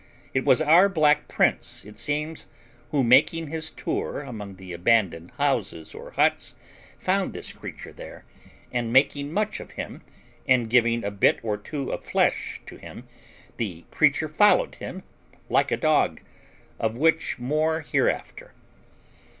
It was our black prince, it seems, who, making his tour among the abandoned houses or huts, found this creature there, and making much of him, and giving a bit or two of flesh to him, the creature followed him like a dog; of which more hereafter.